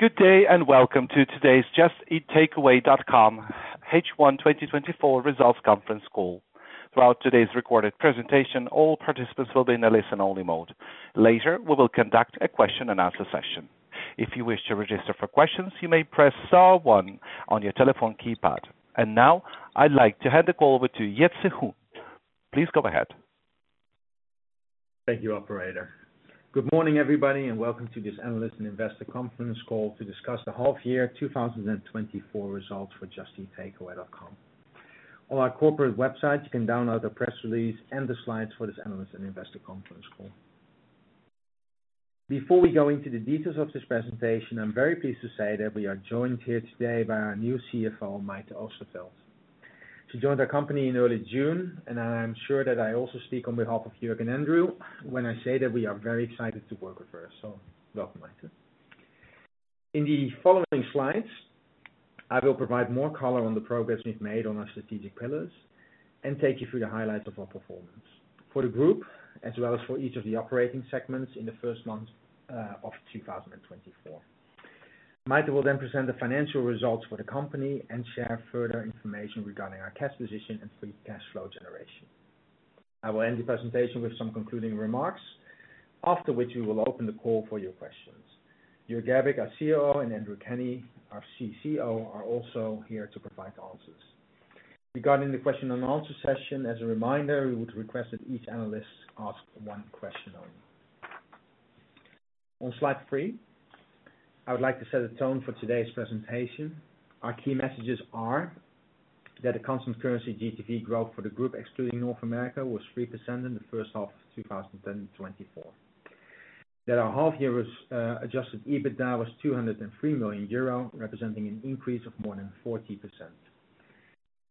Good day, and welcome to today's Just Eat Takeaway.com H1 2024 Results Conference Call. Throughout today's recorded presentation, all participants will be in a listen-only mode. Later, we will conduct a question and answer session. If you wish to register for questions, you may press star one on your telephone keypad. And now, I'd like to hand the call over to Jitse Groen. Please go ahead. Thank you, operator. Good morning, everybody, and welcome to this Analyst and Investor Conference Call to discuss the half-year 2024 results for Just Eat Takeaway.com. On our corporate website, you can download the press release and the slides for this Analyst and Investor Conference Call. Before we go into the details of this presentation, I'm very pleased to say that we are joined here today by our new CFO, Maite Oosterveld. She joined our company in early June, and I am sure that I also speak on behalf of Jörg and Andrew when I say that we are very excited to work with her. So welcome, Maite. In the following slides, I will provide more color on the progress we've made on our strategic pillars, and take you through the highlights of our performance. For the group, as well as for each of the operating segments in the first months of 2024. Maite will then present the financial results for the company and share further information regarding our cash position and free cash flow generation. I will end the presentation with some concluding remarks, after which we will open the call for your questions. Jörg Gerbig, our COO, and Andrew Kenny, our CCO, are also here to provide answers. Regarding the question and answer session, as a reminder, we would request that each analyst ask one question only. On slide three, I would like to set a tone for today's presentation. Our key messages are: that the constant currency GTV growth for the group, excluding North America, was 3% in the first half of 2024. That our half year was, adjusted EBITDA was 203 million euro, representing an increase of more than 40%.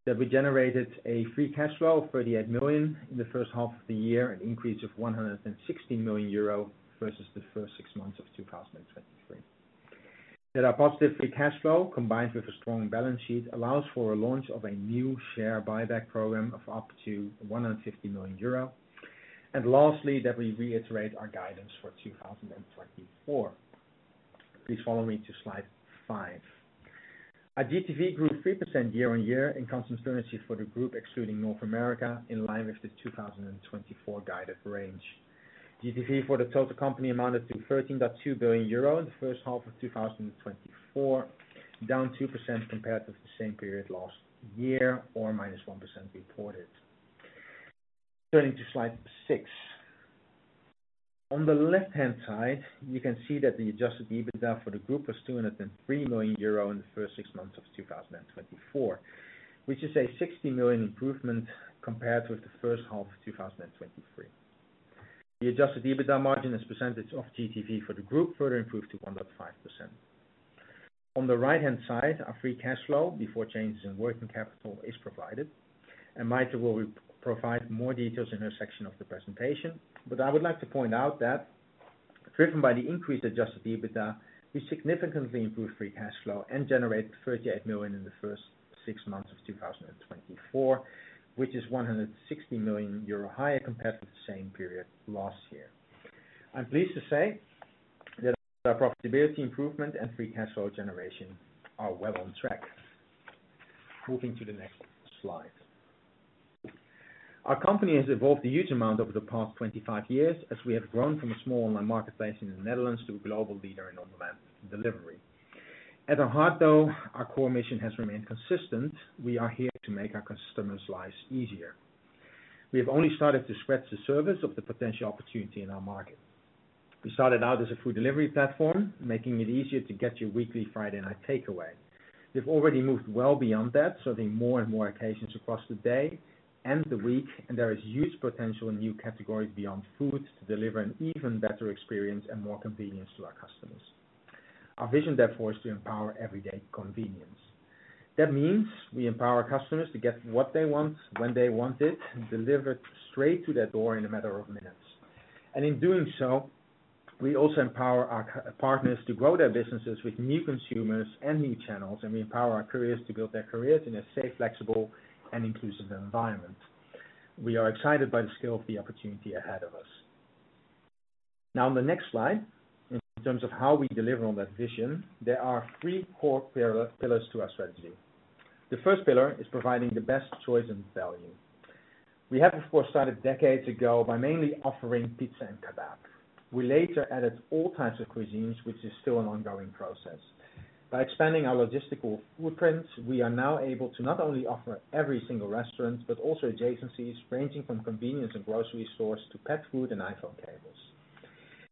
That we generated a free cash flow of 38 million in the first half of the year, an increase of 160 million euro versus the first six months of 2023. That our positive free cash flow, combined with a strong balance sheet, allows for a launch of a new share buyback program of up to 150 million euro. And lastly, that we reiterate our guidance for 2024. Please follow me to slide 5. Our GTV grew 3% year-on-year in constant currency for the group, excluding North America, in line with the 2024 guided range. GTV for the total company amounted to 13.2 billion euro in the first half of 2024, down 2% compared with the same period last year, or minus 1% reported. Turning to slide 6. On the left-hand side, you can see that the adjusted EBITDA for the group was 203 million euro in the first six months of 2024, which is a 60 million improvement compared with the first half of 2023. The adjusted EBITDA margin as a percentage of GTV for the group further improved to 1.5%. On the right-hand side, our free cash flow before changes in working capital is provided, and Maite will provide more details in her section of the presentation. But I would like to point out that driven by the increased Adjusted EBITDA, we significantly improved free cash flow and generated 38 million in the first six months of 2024, which is 160 million euro higher compared with the same period last year. I'm pleased to say that our profitability improvement and free cash flow generation are well on track. Moving to the next slide. Our company has evolved a huge amount over the past 25 years, as we have grown from a small online marketplace in the Netherlands to a global leader in online delivery. At our heart, though, our core mission has remained consistent. We are here to make our customers' lives easier. We have only started to scratch the surface of the potential opportunity in our market. We started out as a food delivery platform, making it easier to get your weekly Friday night takeaway. We've already moved well beyond that, serving more and more occasions across the day and the week, and there is huge potential in new categories beyond food to deliver an even better experience and more convenience to our customers. Our vision, therefore, is to empower everyday convenience. That means we empower customers to get what they want, when they want it, and deliver it straight to their door in a matter of minutes. And in doing so, we also empower our partners to grow their businesses with new consumers and new channels, and we empower our couriers to build their careers in a safe, flexible, and inclusive environment. We are excited by the scale of the opportunity ahead of us. Now, on the next slide, in terms of how we deliver on that vision, there are three core pillar, pillars to our strategy. The first pillar is providing the best choice and value. We have, of course, started decades ago by mainly offering pizza and kebab. We later added all types of cuisines, which is still an ongoing process. By expanding our logistical footprint, we are now able to not only offer every single restaurant, but also adjacencies ranging from convenience and grocery stores to pet food and iPhone cables.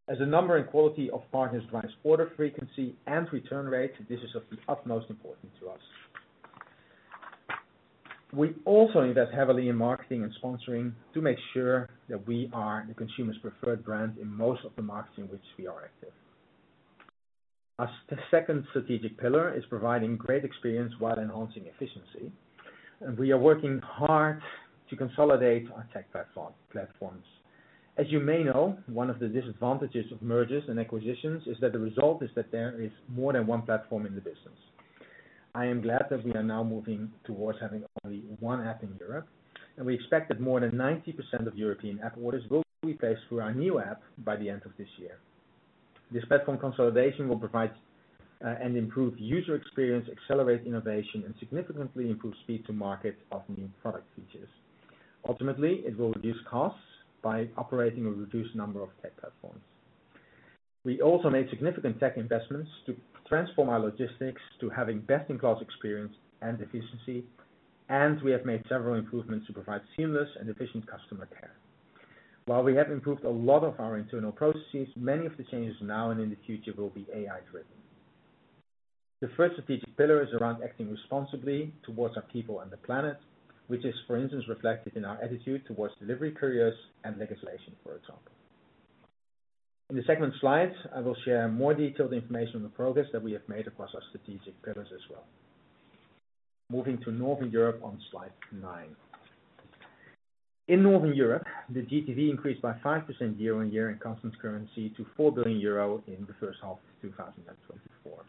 As the number and quality of partners drives order frequency and return rate, this is of the utmost importance to us. We also invest heavily in marketing and sponsoring to make sure that we are the consumer's preferred brand in most of the markets in which we are active. Our second strategic pillar is providing great experience while enhancing efficiency, and we are working hard to consolidate our tech platforms. As you may know, one of the disadvantages of mergers and acquisitions is that the result is that there is more than one platform in the business. I am glad that we are now moving towards having only one app in Europe, and we expect that more than 90% of European app orders will be placed through our new app by the end of this year. This platform consolidation will provide an improved user experience, accelerate innovation, and significantly improve speed to market of new product features. Ultimately, it will reduce costs by operating a reduced number of tech platforms. We also made significant tech investments to transform our logistics to having best-in-class experience and efficiency, and we have made several improvements to provide seamless and efficient customer care. While we have improved a lot of our internal processes, many of the changes now and in the future will be AI driven. The first strategic pillar is around acting responsibly towards our people and the planet, which is, for instance, reflected in our attitude towards delivery couriers and legislation, for example. In the segment slides, I will share more detailed information on the progress that we have made across our strategic pillars as well. Moving to Northern Europe on slide 9. In Northern Europe, the GTV increased by 5% year-on-year in constant currency to 4 billion euro in the first half of 2024.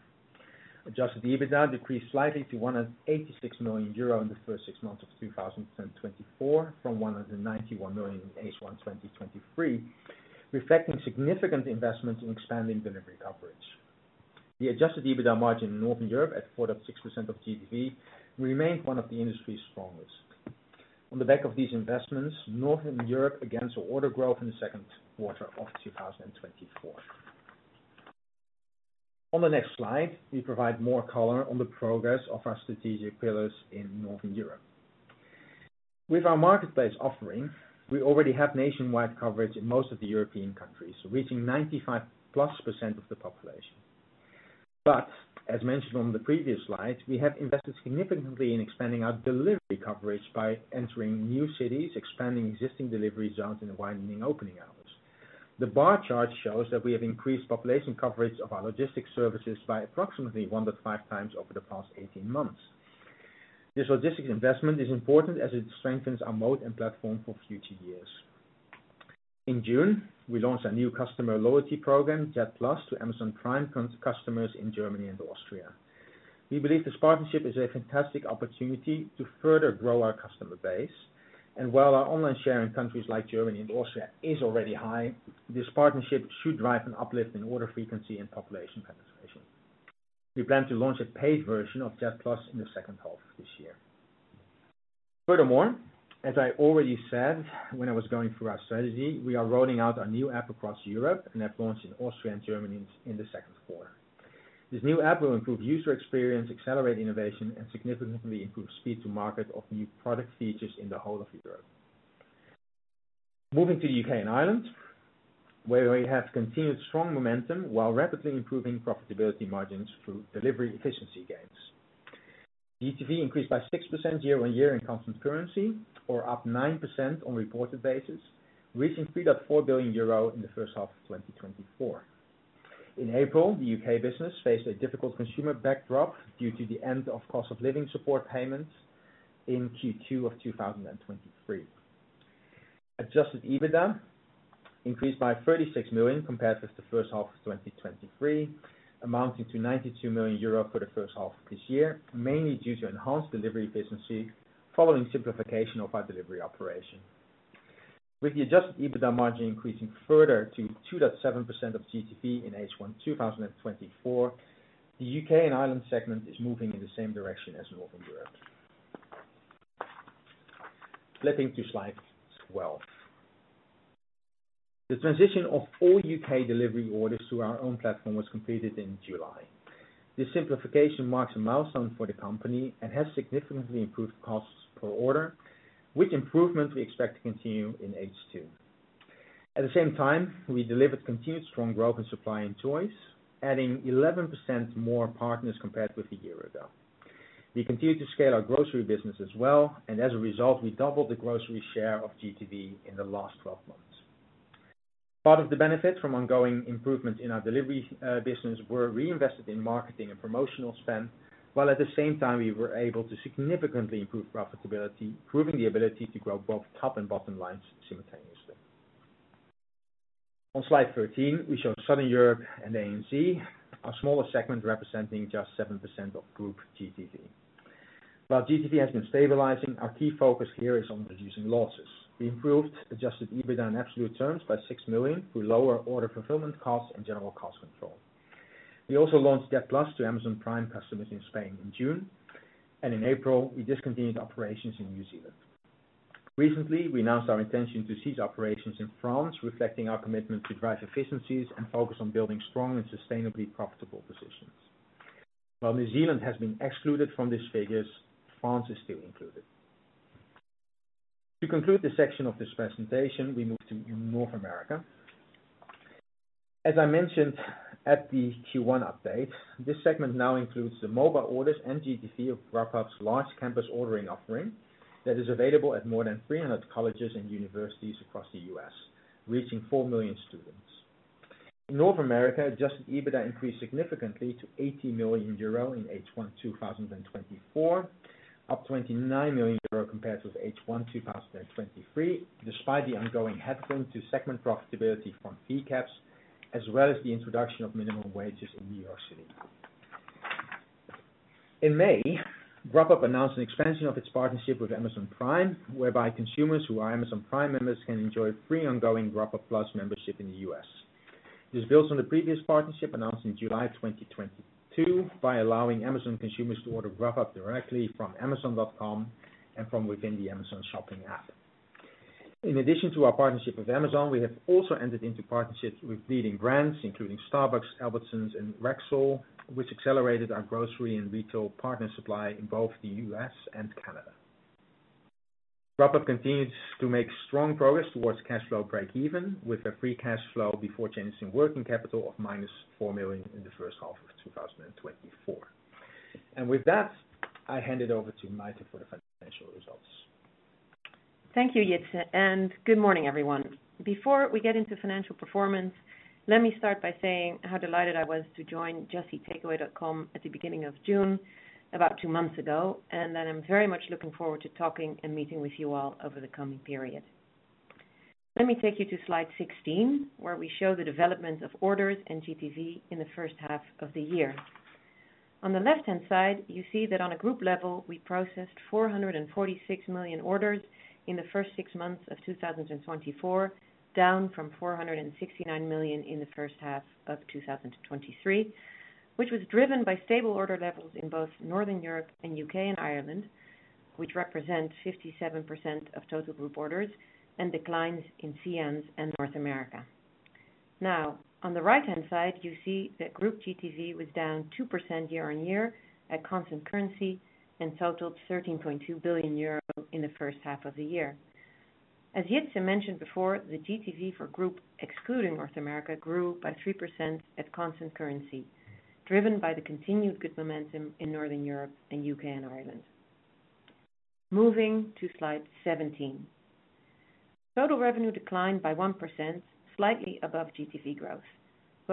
Adjusted EBITDA decreased slightly to 186 million euro in the first six months of 2024, from 191 million in H1 2023, reflecting significant investments in expanding delivery coverage. The adjusted EBITDA margin in Northern Europe, at 4.6% of GTV, remained one of the industry's strongest. On the back of these investments, Northern Europe against the order growth in the second quarter of 2024. On the next slide, we provide more color on the progress of our strategic pillars in Northern Europe. With our marketplace offering, we already have nationwide coverage in most of the European countries, reaching 95+% of the population. But, as mentioned on the previous slide, we have invested significantly in expanding our delivery coverage by entering new cities, expanding existing delivery zones, and widening opening hours. The bar chart shows that we have increased population coverage of our logistics services by approximately 1.5 times over the past 18 months. This logistics investment is important as it strengthens our mode and platform for future years. In June, we launched a new customer loyalty program, JET Plus, to Amazon Prime customers in Germany and Austria. We believe this partnership is a fantastic opportunity to further grow our customer base, and while our online share in countries like Germany and Austria is already high, this partnership should drive an uplift in order frequency and population penetration. We plan to launch a paid version of JET Plus in the second half of this year. Furthermore, as I already said when I was going through our strategy, we are rolling out a new app across Europe, and that launched in Austria and Germany in the second quarter. This new app will improve user experience, accelerate innovation, and significantly improve speed to market of new product features in the whole of Europe. Moving to the UK and Ireland, where we have continued strong momentum while rapidly improving profitability margins through delivery efficiency gains. GTV increased by 6% year-on-year in constant currency, or up 9% on reported basis, reaching 3.4 billion euro in the first half of 2024. In April, the UK business faced a difficult consumer backdrop due to the end of cost of living support payments in Q2 of 2023. Adjusted EBITDA increased by 36 million compared with the first half of 2023, amounting to 92 million euro for the first half of this year, mainly due to enhanced delivery efficiency following simplification of our delivery operation. With the Adjusted EBITDA margin increasing further to 2.7% of GTV in H1 2024, the UK and Ireland segment is moving in the same direction as Northern Europe. Flipping to slide 12. The transition of all UK delivery orders to our own platform was completed in July. This simplification marks a milestone for the company and has significantly improved costs per order, which improvement we expect to continue in H2. At the same time, we delivered continued strong growth in supply and choice, adding 11% more partners compared with a year ago. We continued to scale our grocery business as well, and as a result, we doubled the grocery share of GTV in the last twelve months. Part of the benefit from ongoing improvements in our delivery business were reinvested in marketing and promotional spend, while at the same time, we were able to significantly improve profitability, proving the ability to grow both top and bottom lines simultaneously. On Slide 13, we show Southern Europe and ANZ, a smaller segment representing just 7% of group GTV. While GTV has been stabilizing, our key focus here is on reducing losses. We improved Adjusted EBITDA in absolute terms by 6 million, through lower order fulfillment costs and general cost control. We also launched Jet Plus to Amazon Prime customers in Spain in June, and in April, we discontinued operations in New Zealand. Recently, we announced our intention to cease operations in France, reflecting our commitment to drive efficiencies and focus on building strong and sustainably profitable positions. While New Zealand has been excluded from these figures, France is still included. To conclude this section of this presentation, we move to North America. As I mentioned at the Q1 update, this segment now includes the mobile orders and GTV of Grubhub's large campus ordering offering that is available at more than 300 colleges and universities across the US, reaching 4 million students. North America Adjusted EBITDA increased significantly to 80 million euro in H1 2024, up 29 million euro compared with H1 2023, despite the ongoing headwind to segment profitability from fee caps, as well as the introduction of minimum wages in New York City. In May, Grubhub announced an expansion of its partnership with Amazon Prime, whereby consumers who are Amazon Prime members can enjoy free ongoing Grubhub+ membership in the US. This builds on the previous partnership announced in July 2022, by allowing Amazon consumers to order Grubhub directly from Amazon.com and from within the Amazon Shopping app. In addition to our partnership with Amazon, we have also entered into partnerships with leading brands including Starbucks, Albertsons and Rexall, which accelerated our grocery and retail partner supply in both the U.S. and Canada. Grubhub continues to make strong progress towards cash flow break even, with a free cash flow before changes in working capital of -$4 million in the first half of 2024. With that, I hand it over to Maite for the financial results. Thank you, Jitse, and good morning, everyone. Before we get into financial performance, let me start by saying how delighted I was to join Just Eat Takeaway.com at the beginning of June, about two months ago, and that I'm very much looking forward to talking and meeting with you all over the coming period. Let me take you to slide 16, where we show the development of orders and GTV in the first half of the year. On the left-hand side, you see that on a group level, we processed 446 million orders in the first six months of 2024, down from 469 million in the first half of 2023, which was driven by stable order levels in both Northern Europe and UK and Ireland, which represent 57% of total group orders and declines in SE&ANZ and North America. Now, on the right-hand side, you see that group GTV was down 2% year-on-year at constant currency and totaled 13.2 billion euro in the first half of the year. As Jitse mentioned before, the GTV for group, excluding North America, grew by 3% at constant currency, driven by the continued good momentum in Northern Europe and UK and Ireland. Moving to slide 17. Total revenue declined by 1%, slightly above GTV growth.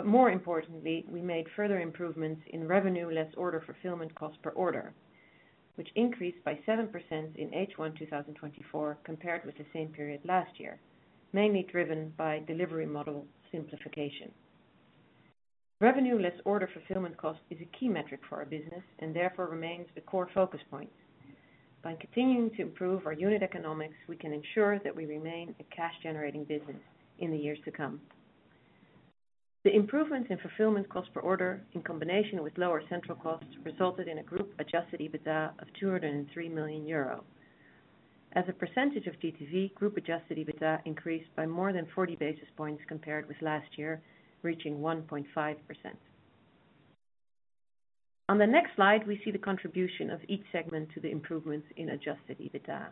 More importantly, we made further improvements in revenue less order fulfillment cost per order, which increased by 7% in H1 2024, compared with the same period last year, mainly driven by delivery model simplification. Revenue less order fulfillment cost is a key metric for our business and therefore remains the core focus point. By continuing to improve our unit economics, we can ensure that we remain a cash-generating business in the years to come. The improvement in fulfillment cost per order, in combination with lower central costs, resulted in a group adjusted EBITDA of 203 million euro. As a percentage of GTV, group adjusted EBITDA increased by more than 40 basis points compared with last year, reaching 1.5%. On the next slide, we see the contribution of each segment to the improvement in Adjusted EBITDA.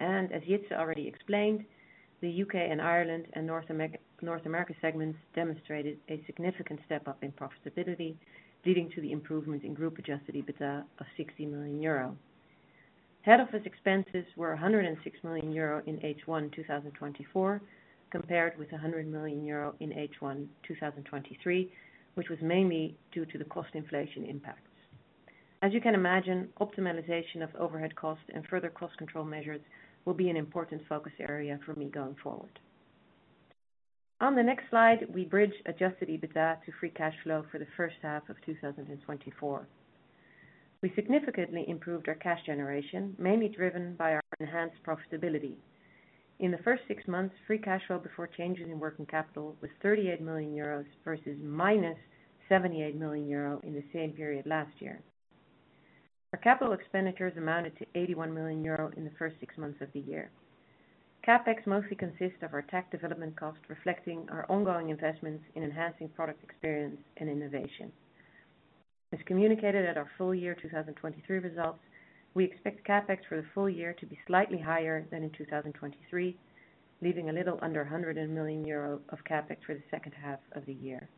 As Jitse already explained, the UK and Ireland and North America segments demonstrated a significant step-up in profitability, leading to the improvement in group Adjusted EBITDA of 60 million euro. Head Office expenses were 106 million euro in H1 2024, compared with 100 million euro in H1 2023, which was mainly due to the cost inflation impacts. As you can imagine, optimization of overhead costs and further cost control measures will be an important focus area for me going forward. On the next slide, we bridge Adjusted EBITDA to free cash flow for the first half of 2024. We significantly improved our cash generation, mainly driven by our enhanced profitability. In the first six months, free cash flow before changes in working capital was 38 million euros versus -78 million euro in the same period last year. Our capital expenditures amounted to 81 million euro in the first six months of the year. CapEx mostly consists of our tech development cost, reflecting our ongoing investments in enhancing product experience and innovation. As communicated at our full year 2023 results, we expect CapEx for the full year to be slightly higher than in 2023, leaving a little under 100 million euro of CapEx for the second half of the year.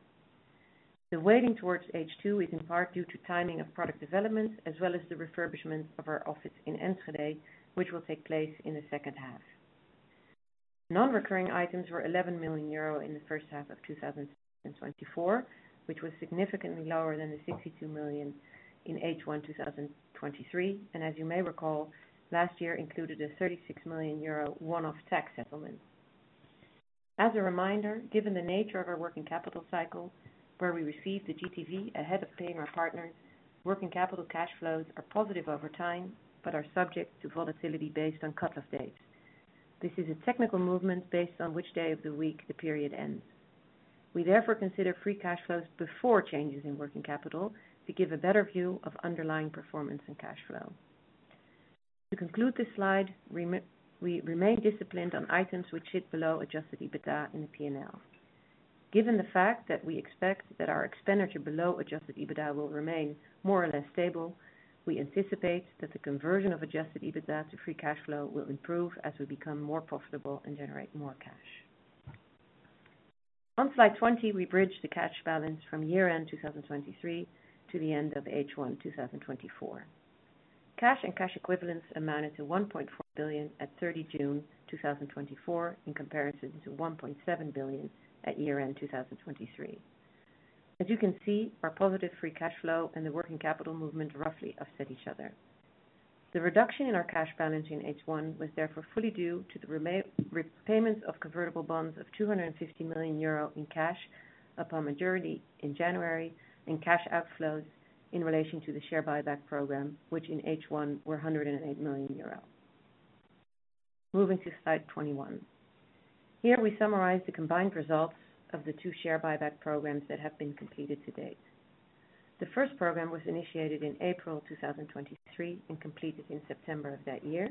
The weighting towards H2 is in part due to timing of product developments, as well as the refurbishment of our office in Enschede, which will take place in the second half. Non-recurring items were 11 million euro in the first half of 2024, which was significantly lower than the 62 million in H1 2023. As you may recall, last year included a 36 million euro one-off tax settlement. As a reminder, given the nature of our working capital cycle, where we receive the GTV ahead of paying our partners, working capital cash flows are positive over time, but are subject to volatility based on cut-off dates. This is a technical movement based on which day of the week the period ends. We therefore consider free cash flows before changes in working capital to give a better view of underlying performance and cash flow. To conclude this slide, we remain disciplined on items which sit below adjusted EBITDA in the P&L. Given the fact that we expect that our expenditure below Adjusted EBITDA will remain more or less stable, we anticipate that the conversion of Adjusted EBITDA to free cash flow will improve as we become more profitable and generate more cash. On slide 20, we bridge the cash balance from year-end 2023 to the end of H1 2024. Cash and cash equivalents amounted to 1.4 billion at 30 June 2024, in comparison to 1.7 billion at year-end 2023.... As you can see, our positive free cash flow and the working capital movement roughly offset each other. The reduction in our cash balance in H1 was therefore fully due to the remaining repayments of convertible bonds of 250 million euro in cash upon maturity in January, and cash outflows in relation to the share buyback program, which in H1 were 108 million euros. Moving to slide 21. Here we summarize the combined results of the two share buyback programs that have been completed to date. The first program was initiated in April 2023 and completed in September of that year,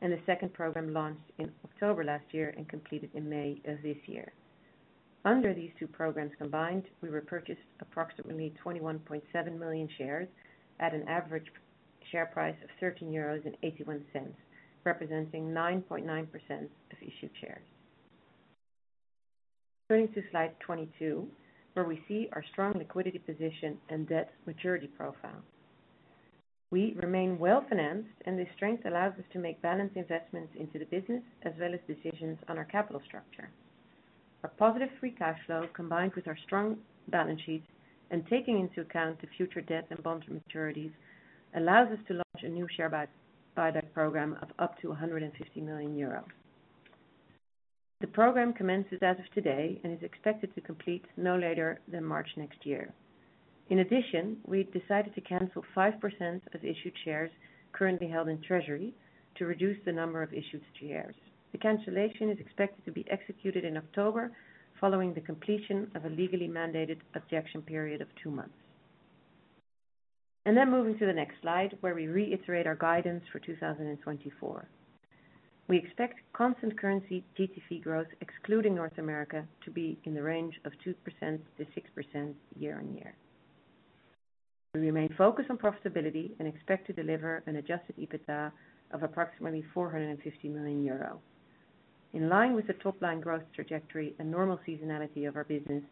and the second program launched in October last year and completed in May of this year. Under these two programs combined, we repurchased approximately 21.7 million shares at an average share price of 13.81 euros, representing 9.9% of issued shares. Turning to slide 22, where we see our strong liquidity position and debt maturity profile. We remain well financed, and this strength allows us to make balanced investments into the business, as well as decisions on our capital structure. Our positive free cash flow, combined with our strong balance sheet and taking into account the future debt and bond maturities, allows us to launch a new share buyback program of up to 150 million euros. The program commences as of today and is expected to complete no later than March next year. In addition, we've decided to cancel 5% of issued shares currently held in Treasury to reduce the number of issued shares. The cancellation is expected to be executed in October, following the completion of a legally mandated objection period of 2 months. Then moving to the next slide, where we reiterate our guidance for 2024. We expect constant currency GTV growth, excluding North America, to be in the range of 2%-6% year-on-year. We remain focused on profitability and expect to deliver an adjusted EBITDA of approximately 450 million euro. In line with the top line growth trajectory and normal seasonality of our business,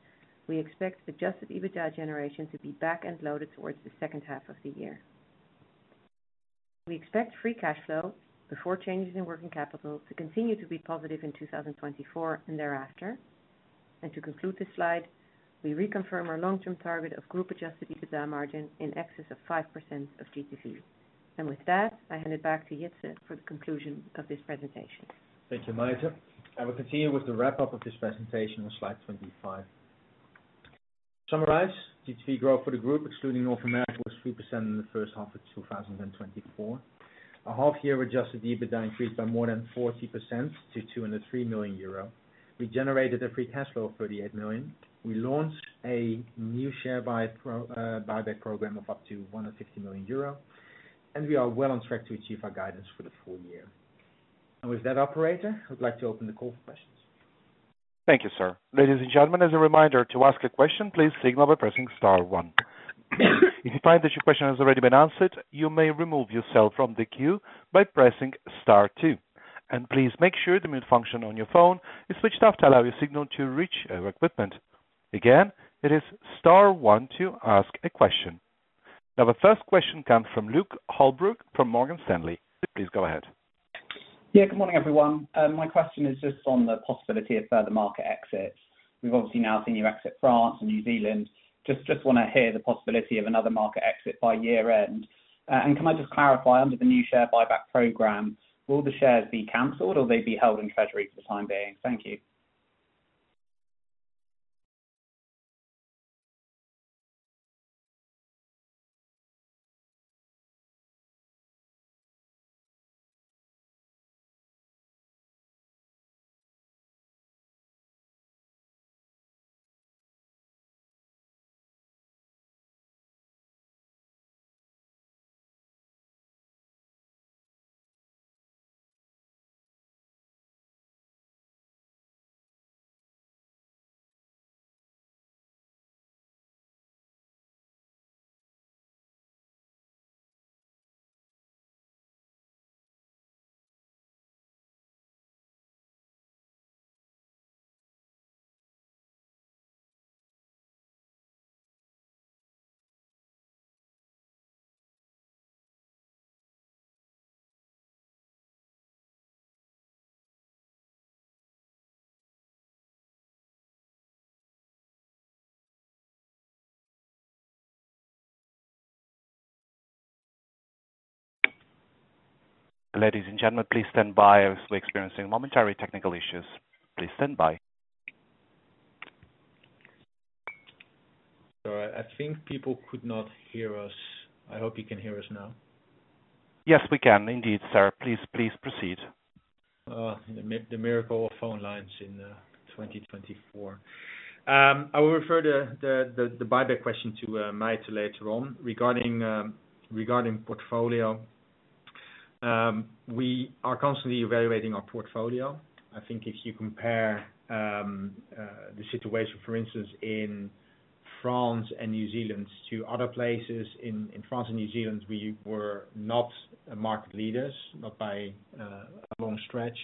we expect adjusted EBITDA generation to be back and loaded towards the second half of the year. We expect free cash flow before changes in working capital to continue to be positive in 2024 and thereafter. To conclude this slide, we reconfirm our long-term target of group-adjusted EBITDA margin in excess of 5% of GTV. With that, I hand it back to Jitse for the conclusion of this presentation. Thank you, Maite. I will continue with the wrap up of this presentation on slide 25. Summarize, GTV growth for the group, excluding North America, was 3% in the first half of 2024. Our half year Adjusted EBITDA increased by more than 40% to 203 million euro. We generated a free cash flow of 38 million. We launched a new share buyback program of up to 150 million euro, and we are well on track to achieve our guidance for the full year. And with that, operator, I'd like to open the call for questions. Thank you, sir. Ladies and gentlemen, as a reminder to ask a question, please signal by pressing star one. If you find that your question has already been answered, you may remove yourself from the queue by pressing star two. Please make sure the mute function on your phone is switched off to allow your signal to reach our equipment. Again, it is star one to ask a question. Now, the first question comes from Luke Holbrook, from Morgan Stanley. Please go ahead. Yeah, good morning, everyone. My question is just on the possibility of further market exits. We've obviously now seen you exit France and New Zealand. Just, just wanna hear the possibility of another market exit by year end. And can I just clarify, under the new share buyback program, will the shares be canceled or will they be held in treasury for the time being? Thank you. Ladies and gentlemen, please stand by. As we're experiencing momentary technical issues. Please stand by. So I think people could not hear us. I hope you can hear us now. Yes, we can indeed, sir. Please, please proceed. The miracle of phone lines in 2024. I will refer the buyback question to Maite later on. Regarding portfolio, we are constantly evaluating our portfolio. I think if you compare the situation, for instance, in France and New Zealand to other places in France and New Zealand, we were not market leaders, not by a long stretch,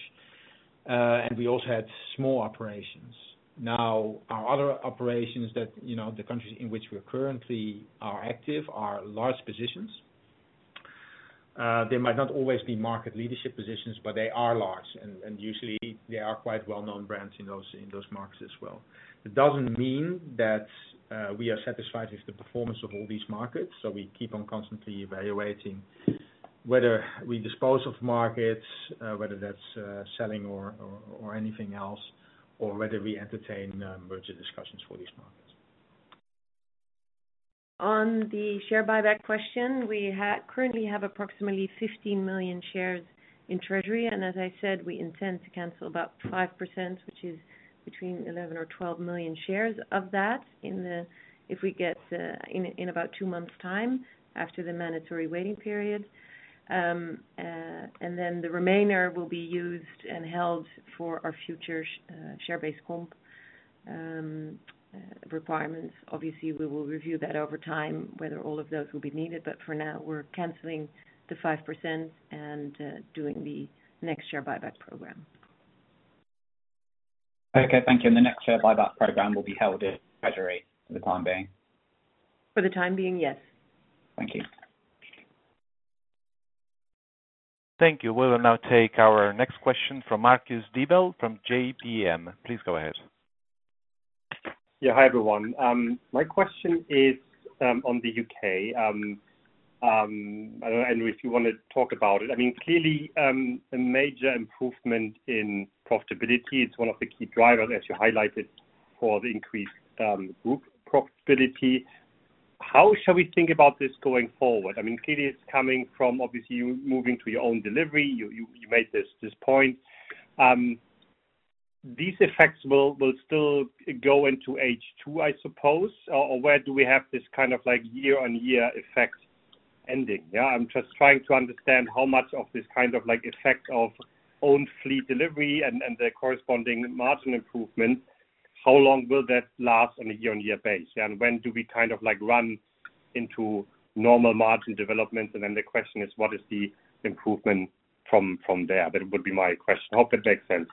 and we also had small operations. Now, our other operations that, you know, the countries in which we currently are active, are large positions. They might not always be market leadership positions, but they are large, and usually they are quite well-known brands in those markets as well. It doesn't mean that we are satisfied with the performance of all these markets, so we keep on constantly evaluating whether we dispose of markets, whether that's selling or anything else, or whether we entertain merger discussions for these markets. On the share buyback question, we currently have approximately 15 million shares in treasury, and as I said, we intend to cancel about 5%, which is between 11 or 12 million shares of that in about 2 months' time, after the mandatory waiting period. And then the remainder will be used and held for our future share base comp requirements. Obviously, we will review that over time, whether all of those will be needed, but for now, we're canceling the 5% and doing the next share buyback program. Okay, thank you. The next share buyback program will be held in treasury for the time being? For the time being, yes. Thank you. Thank you. We will now take our next question from Marcus Diebel from JPM. Please go ahead. Yeah, hi, everyone. My question is on the UK. I don't know, Andrew, if you wanna talk about it. I mean, clearly, a major improvement in profitability, it's one of the key drivers, as you highlighted, for the increased group profitability. How shall we think about this going forward? I mean, clearly it's coming from obviously you moving to your own delivery, you made this point. These effects will still go into H2, I suppose, or where do we have this kind of like year-on-year effect ending, yeah? I'm just trying to understand how much of this kind of like effect of own fleet delivery and the corresponding margin improvement, how long will that last on a year-on-year base, yeah? And when do we kind of like run into normal margin development? And then the question is: what is the improvement from, from there? That would be my question. Hope that makes sense.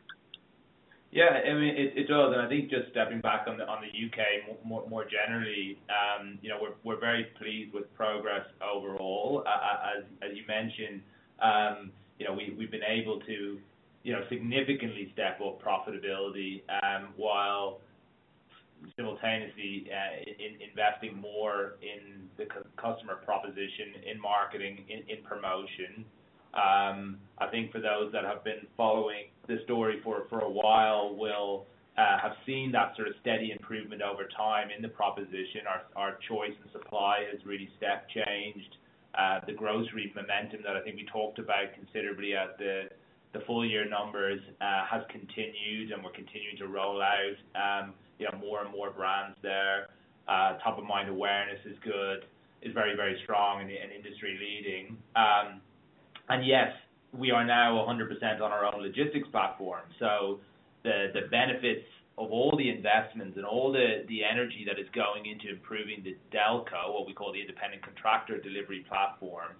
Yeah, I mean, it does. I think just stepping back on the UK more generally, you know, we're very pleased with progress overall. As you mentioned, you know, we've been able to, you know, significantly step up profitability, while simultaneously investing more in the customer proposition in marketing, in promotion. I think for those that have been following this story for a while will have seen that sort of steady improvement over time in the proposition. Our choice and supply has really step changed. The grocery momentum that I think we talked about considerably at the full year numbers has continued, and we're continuing to roll out, you know, more and more brands there. Top of mind awareness is good, is very strong and industry leading. And yes, we are now 100% on our own logistics platform. So the benefits of all the investments and all the energy that is going into improving the Delco, what we call the independent contractor delivery platform,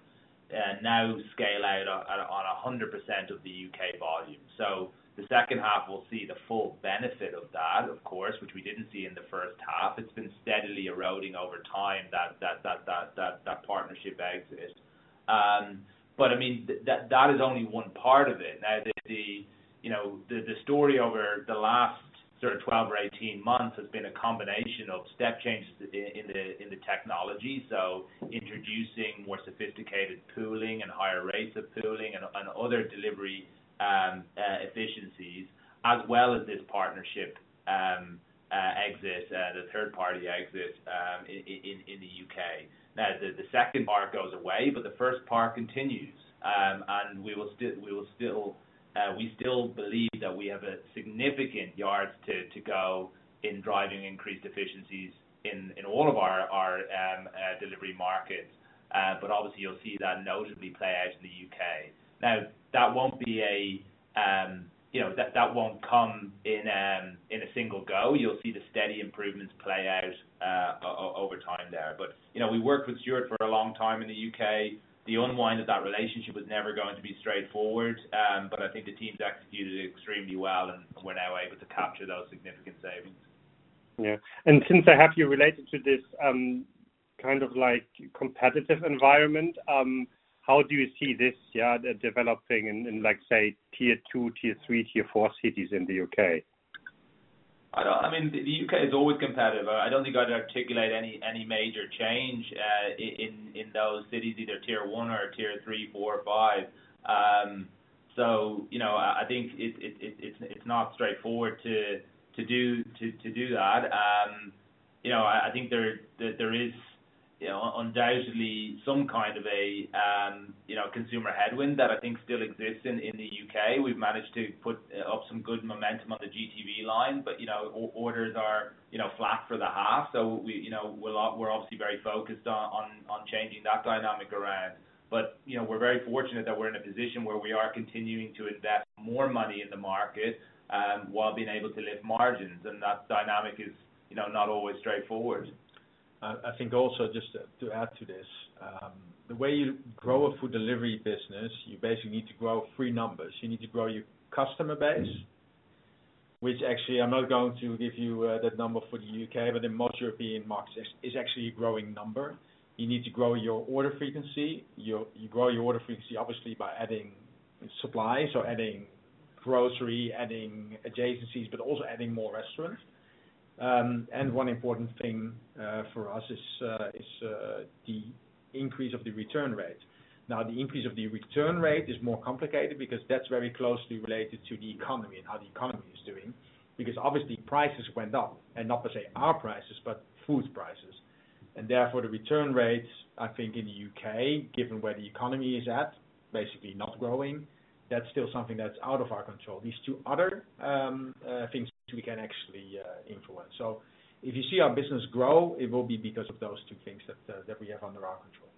now scale out on a 100% of the UK volume. So the second half we'll see the full benefit of that, of course, which we didn't see in the first half. It's been steadily eroding over time, that partnership exit. But I mean, that is only one part of it. Now, you know, the story over the last sort of 12 or 18 months has been a combination of step changes in the technology, so introducing more sophisticated pooling and higher rates of pooling and other delivery efficiencies, as well as this partnership exit, the third party exit in the UK. Now, the second part goes away, but the first part continues. And we still believe that we have significant yards to go in driving increased efficiencies in all of our delivery markets. But obviously you'll see that notably play out in the UK. Now, that won't be a, you know, that won't come in a single go. You'll see the steady improvements play out over time there. But, you know, we worked with Stuart for a long time in the UK. The unwind of that relationship was never going to be straightforward, but I think the teams executed extremely well, and we're now able to capture those significant savings. Yeah. Since I have you related to this, kind of like competitive environment, how do you see this, yeah, developing in, like, say, tier two, tier three, tier four cities in the UK? I don't. I mean, the UK is always competitive. I don't think I'd articulate any major change in those cities, either tier one or tier three, four, or five. So, you know, I think it's not straightforward to do that. You know, I think there is, you know, undoubtedly some kind of a consumer headwind that I think still exists in the UK. We've managed to put up some good momentum on the GTV line, but, you know, orders are, you know, flat for the half. So we, you know, we're obviously very focused on changing that dynamic around. You know, we're very fortunate that we're in a position where we are continuing to invest more money in the market, while being able to lift margins, and that dynamic is, you know, not always straightforward. I think also, just to add to this, the way you grow a food delivery business, you basically need to grow three numbers. You need to grow your customer base, which actually, I'm not going to give you that number for the UK, but in most European markets, it's actually a growing number. You need to grow your order frequency. You grow your order frequency, obviously, by adding supplies or adding grocery, adding adjacencies, but also adding more restaurants. And one important thing for us is the increase of the return rate. Now, the increase of the return rate is more complicated because that's very closely related to the economy and how the economy is doing. Because obviously prices went up, and not per se our prices, but food prices, and therefore the return rates, I think in the UK, given where the economy is at, basically not growing, that's still something that's out of our control. These two other things we can actually influence. So if you see our business grow, it will be because of those two things that we have under our control.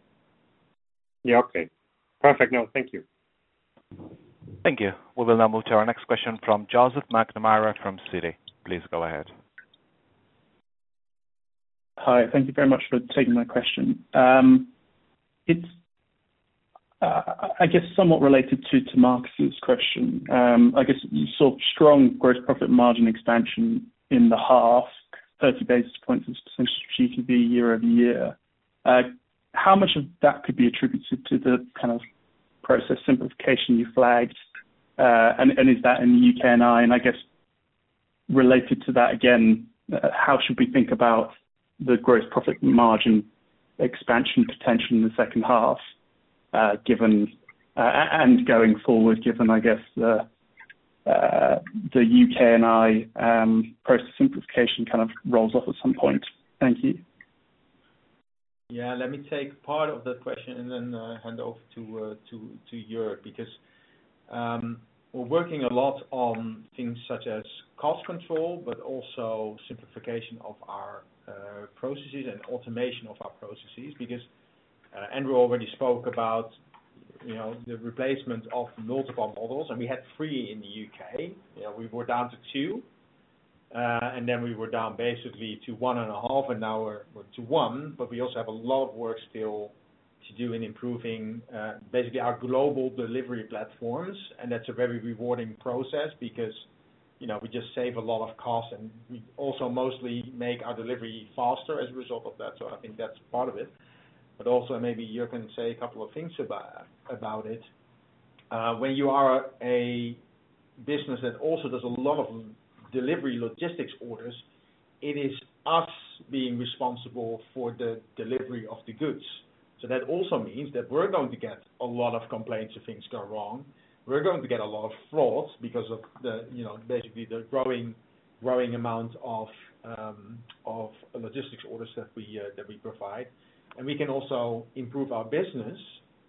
Yeah, okay. Perfect, now thank you. Thank you. We will now move to our next question from Joseph McNamara, from Citi. Please go ahead. Hi, thank you very much for taking my question. It's, I guess, somewhat related to Marcus's question. I guess, you saw strong gross profit margin expansion in the half, 30 basis points since GTV year-over-year. How much of that could be attributed to the kind of process simplification you flagged? And is that in the UK and Ireland? And I guess related to that, again, how should we think about the gross profit margin expansion potential in the second half, given, and going forward, given, I guess, the UK and Ireland process simplification kind of rolls off at some point? Thank you. Yeah, let me take part of that question and then hand off to Jörg, because we're working a lot on things such as cost control, but also simplification of our processes and automation of our processes. Because Andrew already spoke about, you know, the replacement of multiple models, and we had three in the UK. Yeah, we were down to two, and then we were down basically to one and a half an hour, or to one. But we also have a lot of work still to do in improving basically our global delivery platforms. And that's a very rewarding process because, you know, we just save a lot of cost, and we also mostly make our delivery faster as a result of that. So I think that's part of it. But also, maybe Jörg can say a couple of things about it. When you are a business that also does a lot of delivery logistics orders, it is us being responsible for the delivery of the goods. So that also means that we're going to get a lot of complaints if things go wrong. We're going to get a lot of flaws because of the, you know, basically the growing, growing amount of of logistics orders that we that we provide. And we can also improve our business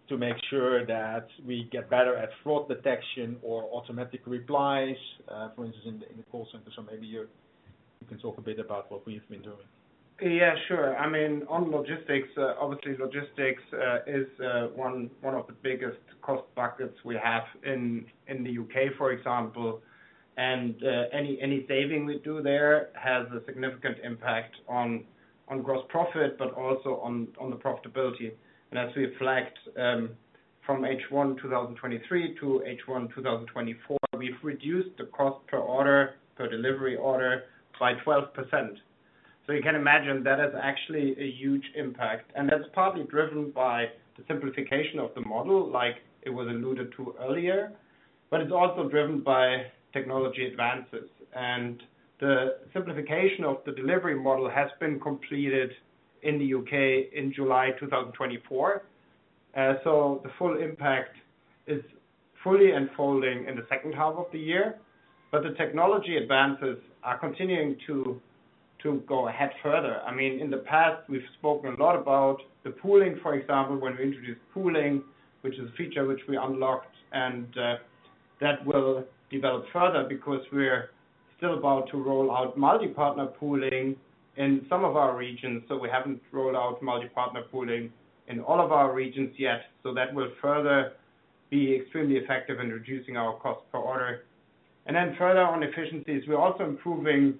to make sure that we get better at fraud detection or automatic replies for instance, in the, in the call center. So maybe you can talk a bit about what we've been doing. Yeah, sure. I mean, on logistics, obviously logistics is one of the biggest cost buckets we have in the UK, for example. And any saving we do there has a significant impact on gross profit, but also on the profitability. And as we flagged, from H1 2023 to H1 2024, we've reduced the cost per order, per delivery order by 12%. So you can imagine that is actually a huge impact, and that's partly driven by the simplification of the model, like it was alluded to earlier, but it's also driven by technology advances. And the simplification of the delivery model has been completed in the UK in July 2024. So the full impact is fully unfolding in the second half of the year. But the technology advances are continuing to go ahead further. I mean, in the past, we've spoken a lot about the pooling, for example, when we introduced pooling, which is a feature which we unlocked, and that will develop further because we're still about to roll out multi-partner pooling in some of our regions, so we haven't rolled out multi-partner pooling in all of our regions yet. So that will further be extremely effective in reducing our cost per order. And then further on efficiencies, we're also improving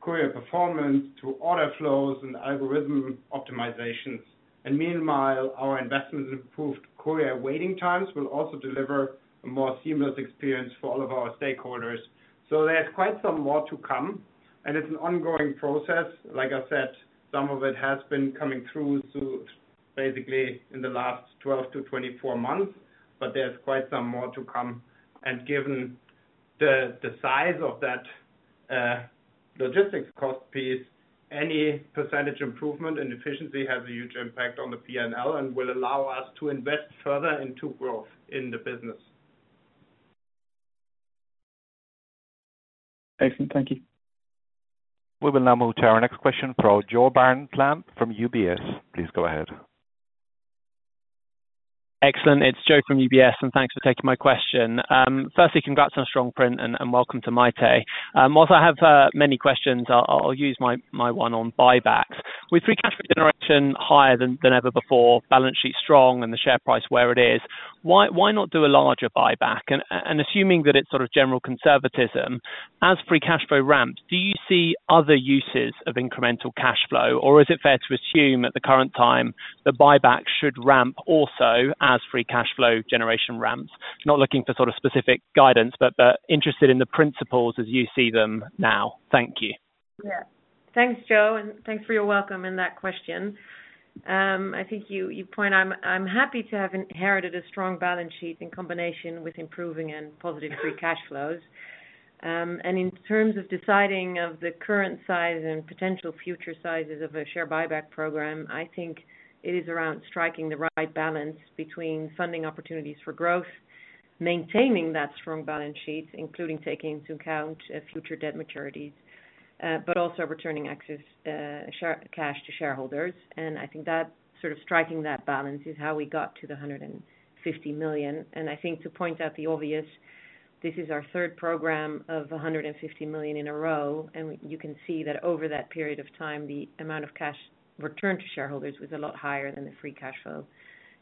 courier performance through order flows and algorithm optimizations. And meanwhile, our investments in improved courier waiting times will also deliver a more seamless experience for all of our stakeholders. So there's quite some more to come, and it's an ongoing process. Like I said, some of it has been coming through to basically in the last 12-24 months, but there's quite some more to come. Given the size of that logistics cost piece, any percentage improvement in efficiency has a huge impact on the P&L and will allow us to invest further into growth in the business. Excellent. Thank you. We will now move to our next question from Jo Barnet-Lamb from UBS. Please go ahead. Excellent. It's Jo from UBS, and thanks for taking my question. Firstly, congrats on strong print and welcome to Maite. While I have many questions, I'll use my one on buybacks. With free cash generation higher than ever before, balance sheet strong and the share price where it is, why not do a larger buyback? And assuming that it's sort of general conservatism, as free cash flow ramps, do you see other uses of incremental cash flow, or is it fair to assume at the current time, the buyback should ramp also as free cash flow generation ramps? Not looking for sort of specific guidance, but interested in the principles as you see them now. Thank you. Yeah. Thanks, Joe, and thanks for your welcome and that question. I think your point, I'm happy to have inherited a strong balance sheet in combination with improving and positive free cash flows. And in terms of deciding on the current size and potential future sizes of a share buyback program, I think it is around striking the right balance between funding opportunities for growth, maintaining that strong balance sheet, including taking into account future debt maturities, but also returning excess cash to shareholders. And I think that sort of striking that balance is how we got to 150 million. I think to point out the obvious, this is our third program of 150 million in a row, and you can see that over that period of time, the amount of cash returned to shareholders was a lot higher than the free cash flow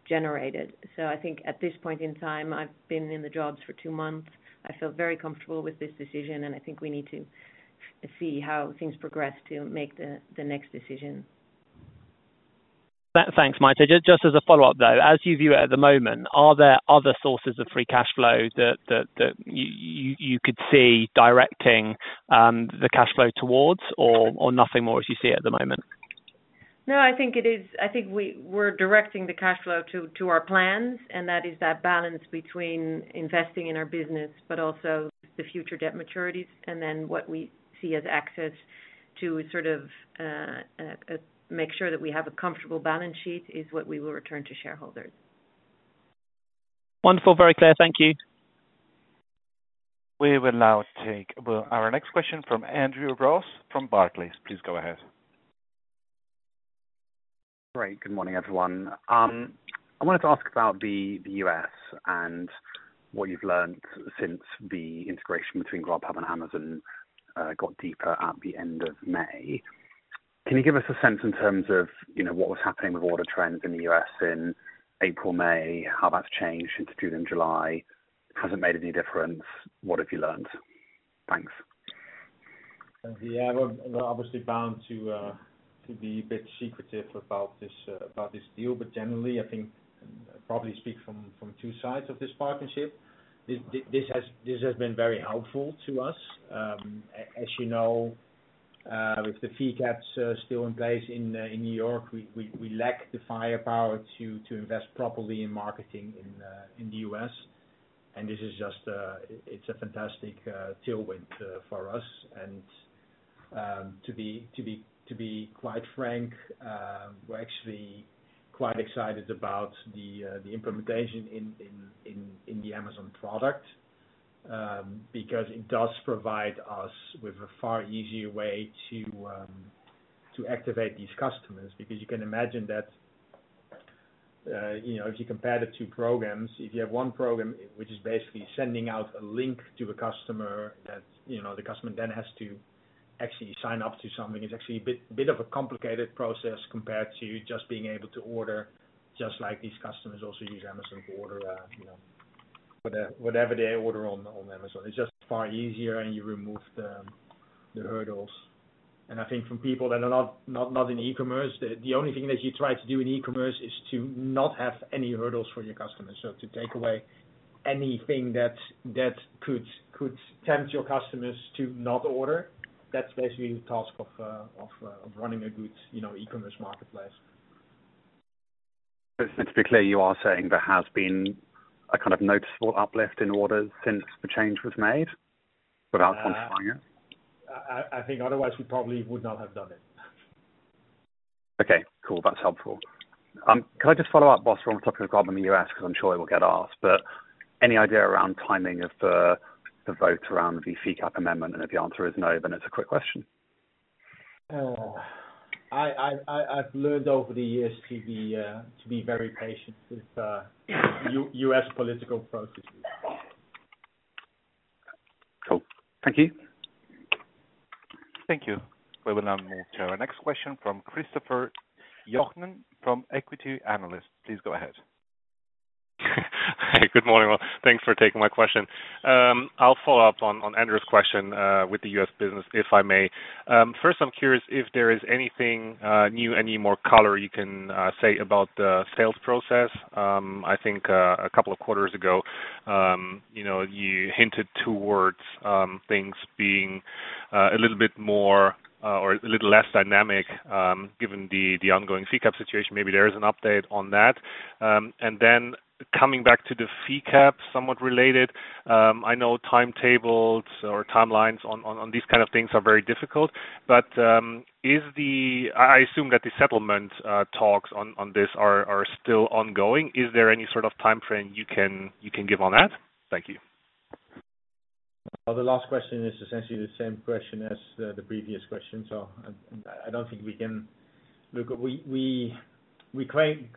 generated. So I think at this point in time, I've been in the job for two months. I feel very comfortable with this decision, and I think we need to see how things progress to make the next decision. Thanks, Maite. Just as a follow-up, though, as you view it at the moment, are there other sources of free cash flow that you could see directing the cash flow towards or nothing more as you see at the moment? No, I think it is. I think we're directing the cash flow to our plans, and that is that balance between investing in our business but also the future debt maturities, and then what we see as access to sort of make sure that we have a comfortable balance sheet is what we will return to shareholders. Wonderful. Very clear. Thank you. We will now take, well, our next question from Andrew Ross from Barclays. Please go ahead. Great. Good morning, everyone. I wanted to ask about the, the U.S. and what you've learned since the integration between Grubhub and Amazon got deeper at the end of May. Can you give us a sense in terms of, you know, what was happening with order trends in the U.S. in April, May? How that's changed since June and July? Has it made any difference? What have you learned? Thanks. Yeah, we're obviously bound to be a bit secretive about this deal, but generally, I think probably speak from two sides of this partnership. This has been very helpful to us. As you know, with the fee caps still in place in New York, we lack the firepower to invest properly in marketing in the US, and this is just, it's a fantastic tailwind for us. And, to be quite frank, we're actually quite excited about the implementation in the Amazon product, because it does provide us with a far easier way to activate these customers. Because you can imagine that, you know, if you compare the two programs, if you have one program, which is basically sending out a link to a customer, you know, the customer then has to actually sign up to something, it's actually a bit of a complicated process compared to just being able to order, just like these customers also use Amazon to order, you know, whatever they order on Amazon. It's just far easier, and you remove the hurdles. And I think from people that are not in e-commerce, the only thing that you try to do in e-commerce is to not have any hurdles for your customers. So to take away anything that could tempt your customers to not order, that's basically the task of running a good, you know, e-commerce marketplace. Just to be clear, you are saying there has been a kind of noticeable uplift in orders since the change was made, without confirming it? I think otherwise we probably would not have done it. Okay, cool. That's helpful. Can I just follow up, Jitse, on the topic of Grubhub in the U.S., because I'm sure it will get asked, but any idea around timing of the vote around the fee cap amendment? And if the answer is no, then it's a quick question. I've learned over the years to be very patient with U.S. political processes. Cool. Thank you. Thank you. We will now move to our next question from Christopher Johnen, from Equity Analyst. Please go ahead. Hi, good morning, all. Thanks for taking my question. I'll follow up on Andrew's question with the US business, if I may. First, I'm curious if there is anything new, any more color you can say about the sales process. I think a couple of quarters ago, you know, you hinted towards things being a little bit more or a little less dynamic given the ongoing fee cap situation. Maybe there is an update on that. And then coming back to the fee cap, somewhat related, I know timetables or timelines on these kind of things are very difficult, but I assume that the settlement talks on this are still ongoing. Is there any sort of timeframe you can give on that? Thank you. Well, the last question is essentially the same question as the previous question, so I don't think we can. We came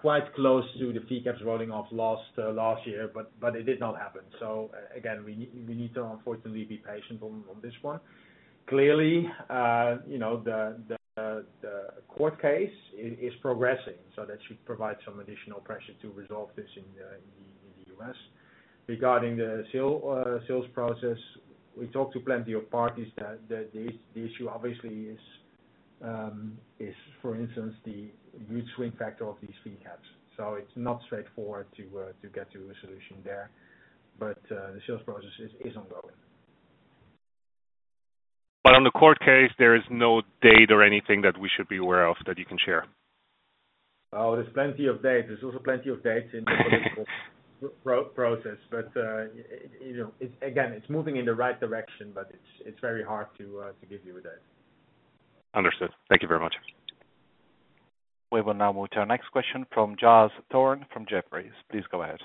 quite close to the fee caps rolling off last year, but it did not happen. So again, we need to unfortunately be patient on this one. Clearly, you know, the court case is progressing, so that should provide some additional pressure to resolve this in the U.S. Regarding the sale, sales process, we talked to plenty of parties, the issue obviously is, for instance, the huge swing factor of these fee caps. So it's not straightforward to get to a solution there, but the sales process is ongoing. On the court case, there is no date or anything that we should be aware of that you can share? Oh, there's plenty of dates. There's also plenty of dates in the political process, but you know, it's again, it's moving in the right direction, but it's very hard to give you a date. Understood. Thank you very much. We will now move to our next question from Giles Thorne from Jefferies. Please go ahead.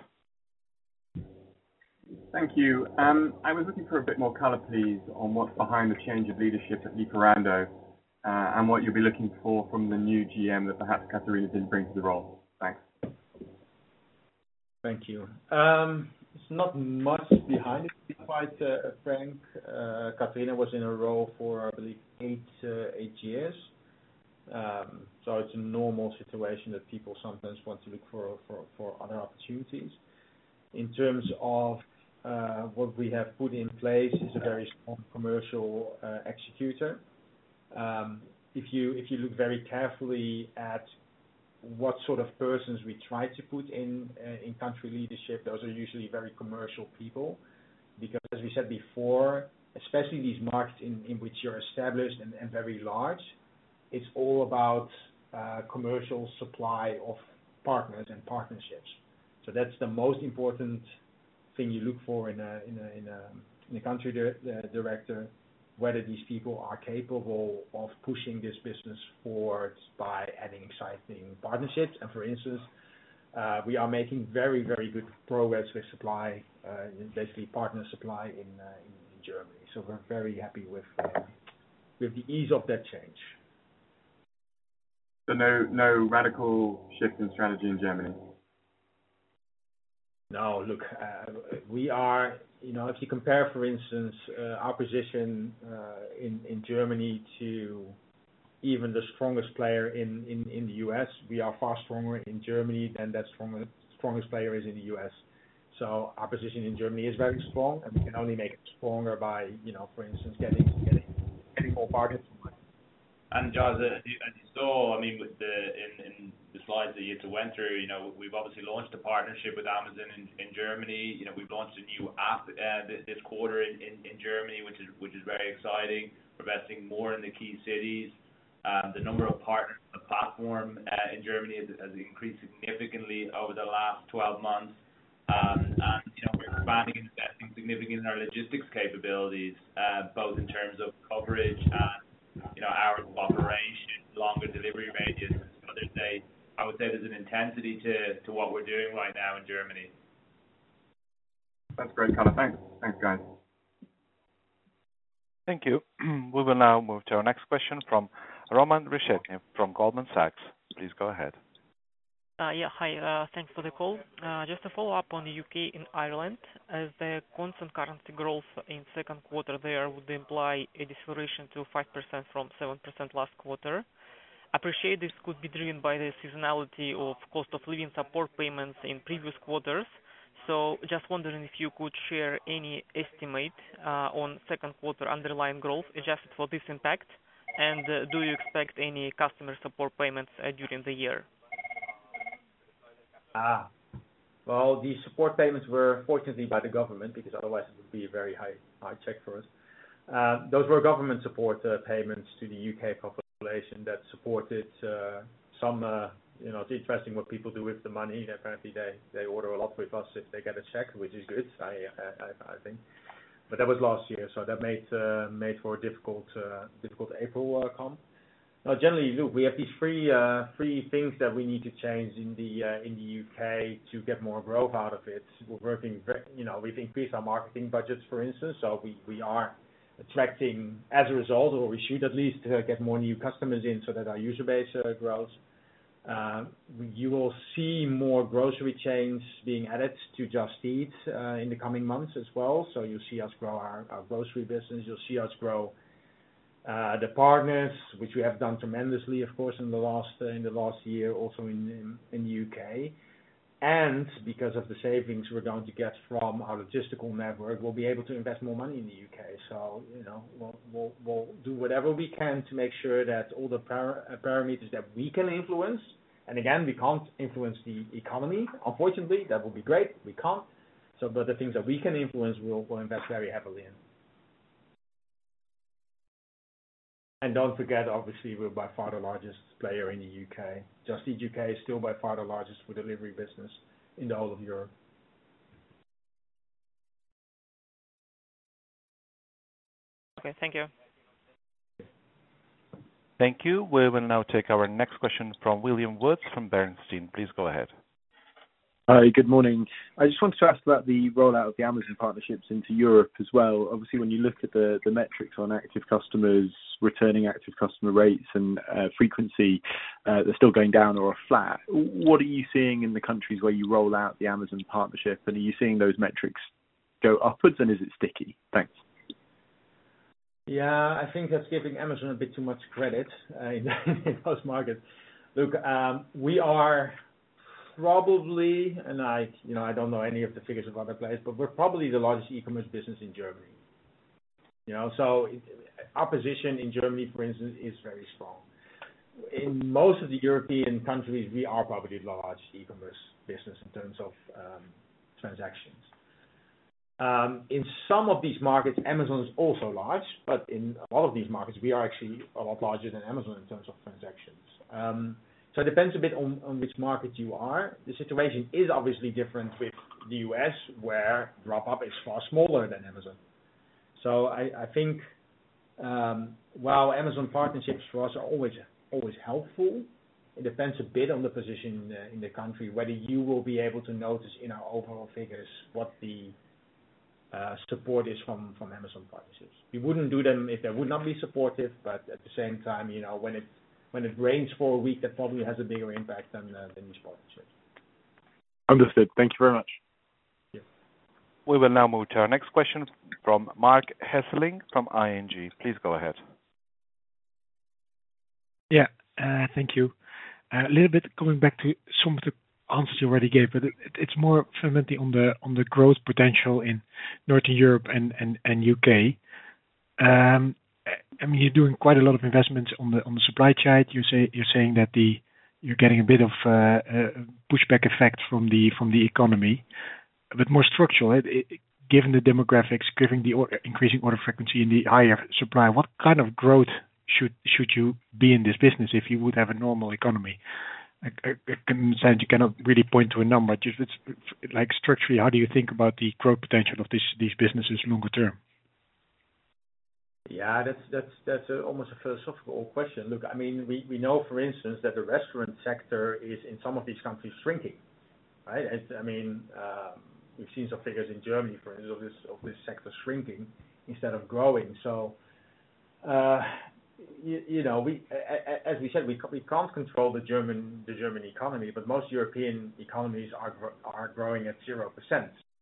Thank you. I was looking for a bit more color, please, on what's behind the change of leadership at Lieferando, and what you'll be looking for from the new GM that perhaps Katharina didn't bring to the role? Thanks. Thank you. There's not much behind it, to be quite frank. Katharina was in a role for, I believe, eight years. So it's a normal situation that people sometimes want to look for other opportunities. In terms of what we have put in place is a very strong commercial executor. If you look very carefully at what sort of persons we try to put in country leadership, those are usually very commercial people. Because as we said before, especially these markets in which you're established and very large, it's all about commercial supply of partners and partnerships. So that's the most important thing you look for in a country director, whether these people are capable of pushing this business forward by adding exciting partnerships. For instance, we are making very, very good progress with supply, basically partner supply in Germany. We're very happy with the ease of that change. So no, no radical shift in strategy in Germany? No. Look, we are. You know, if you compare, for instance, our position in the U.S., we are far stronger in Germany than that strongest player is in the U.S. So our position in Germany is very strong, and we can only make it stronger by, you know, for instance, getting more partners. And Giles, as you saw, I mean, with the, in the slides that Jitse went through, you know, we've obviously launched a partnership with Amazon in Germany. You know, we've launched a new app, this quarter in Germany, which is very exciting. We're investing more in the key cities. The number of partners in the platform in Germany has increased significantly over the last 12 months. And, you know, we're expanding and investing significantly in our logistics capabilities, both in terms of coverage and, you know, hour of operation, longer delivery radius than some other days. I would say there's an intensity to what we're doing right now in Germany. That's great, color. Thanks. Thanks, guys. Thank you. We will now move to our next question from Roman Reshetnyak from Goldman Sachs. Please go ahead. Yeah, hi. Thanks for the call. Just to follow up on the UK and Ireland, as the constant currency growth in second quarter there would imply a deceleration to 5% from 7% last quarter. Appreciate this could be driven by the seasonality of cost of living support payments in previous quarters. So just wondering if you could share any estimate on second quarter underlying growth adjusted for this impact? And, do you expect any customer support payments during the year? Ah. Well, these support payments were fortunately by the government, because otherwise it would be a very high, high check for us. Those were government support payments to the UK population that supported some... You know, it's interesting what people do with the money. Apparently, they order a lot with us if they get a check, which is good, I think. But that was last year, so that made for a difficult April comp. Now, generally, look, we have these three things that we need to change in the UK to get more growth out of it. We're working very... You know, we've increased our marketing budgets, for instance, so we are attracting as a result, or we should at least get more new customers in so that our user base grows. You will see more grocery chains being added to Just Eat in the coming months as well. So you'll see us grow our grocery business. You'll see us grow the partners, which we have done tremendously, of course, in the last year, also in the UK. And because of the savings we're going to get from our logistical network, we'll be able to invest more money in the UK. So, you know, we'll do whatever we can to make sure that all the parameters that we can influence, and again, we can't influence the economy, unfortunately, that would be great, we can't. But the things that we can influence, we'll, we'll invest very heavily in. Don't forget, obviously, we're by far the largest player in the U.K. Just Eat U.K. is still by far the largest food delivery business in the whole of Europe. Okay, thank you. Thank you. We will now take our next question from William Woods from Bernstein. Please go ahead. Hi, good morning. I just wanted to ask about the rollout of the Amazon partnerships into Europe as well. Obviously, when you look at the metrics on active customers, returning active customer rates and frequency, they're still going down or are flat. What are you seeing in the countries where you roll out the Amazon partnership, and are you seeing those metrics go upwards, and is it sticky? Thanks. Yeah, I think that's giving Amazon a bit too much credit in those markets. Look, we are probably, and I, you know, I don't know any of the figures of other players, but we're probably the largest e-commerce business in Germany. You know, so our position in Germany, for instance, is very strong. In most of the European countries, we are probably the largest e-commerce business in terms of transactions. In some of these markets, Amazon is also large, but in all of these markets, we are actually a lot larger than Amazon in terms of transactions. So it depends a bit on which market you are. The situation is obviously different with the US, where Grubhub is far smaller than Amazon. I think, while Amazon partnerships for us are always, always helpful, it depends a bit on the position in the country, whether you will be able to notice in our overall figures, what the support is from, from Amazon partnerships. We wouldn't do them if they would not be supportive, but at the same time, you know, when it, when it rains for a week, that probably has a bigger impact than the, than these partnerships. Understood. Thank you very much. Yeah. We will now move to our next question from Marc Hesselink, from ING. Please go ahead. Yeah, thank you. A little bit going back to some of the answers you already gave, but it's more firmly on the growth potential in Northern Europe and UK. I mean, you're doing quite a lot of investments on the supply side. You're saying that the... You're getting a bit of a pushback effect from the economy. But more structural, given the demographics, given the increasing order frequency and the higher supply, what kind of growth should you be in this business if you would have a normal economy? I can understand you cannot really point to a number, just it's like, structurally, how do you think about the growth potential of these businesses longer term? Yeah, that's almost a philosophical question. Look, I mean, we know, for instance, that the restaurant sector is, in some of these countries, shrinking, right? I mean, we've seen some figures in Germany, for instance, of this sector shrinking instead of growing. So, you know, as we said, we can't control the German economy, but most European economies are growing at 0%.